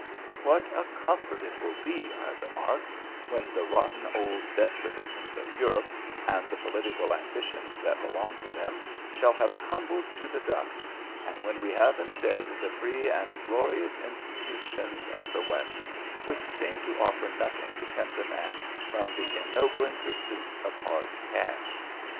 "What a comfort it will be," I remarked, "when the rotten old despotisms of Europe, and the political ambitions that belong to them, shall have crumbled to the dust, and when we have instead the free and glorious institutions of the West, which seem to offer nothing to tempt a man from the ennobling pursuit of hard cash!"